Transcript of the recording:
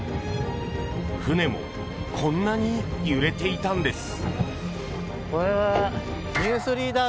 船もこんなに揺れていたんです。